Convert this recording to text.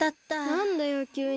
なんだよきゅうに。